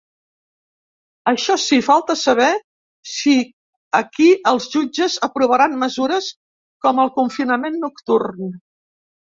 Això sí, falta saber si aquí els jutges aprovaran mesures com el confinament nocturn.